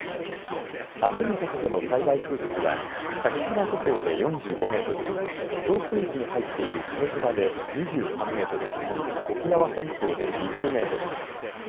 あすにかけての最大風速は先島諸島で４５メートル強風域に入っている久米島で２３メートル